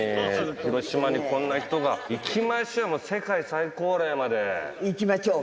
広島にこんな人が。いきましょうよ、もう、世界最高いきましょうか？